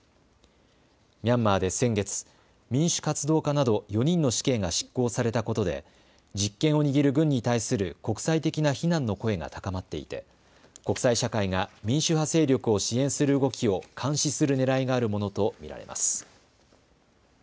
ミャンマーで先月、民主活動家など４人の死刑が執行されたことで実権を握る軍に対する国際的な非難の声が高まっていて国際社会が民主派勢力を支援する動きを監視するねらいがあるものと見られます。